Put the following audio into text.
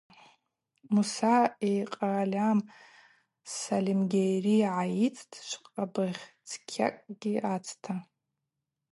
Муса йкъальам Сальымгьари йгӏайыйттӏ швъабыгъь цкьакӏгьи ацта.